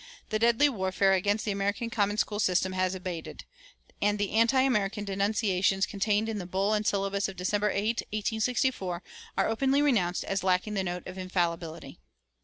The deadly warfare against the American common school system has abated. And the anti American denunciations contained in the bull and syllabus of December 8, 1864, are openly renounced as lacking the note of infallibility.